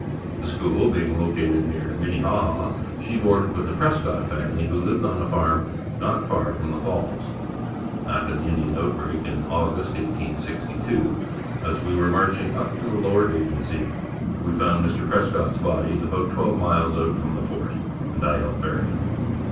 The school being located near Minnehaha, she boarded with the Prescott family who lived on a farm not far from the Falls. After the Indian outbreak in August 1862, as we were marching up to the Lower Agency, we found Mr. Prescott's body about twelve miles out from the fort, and I helped bury him.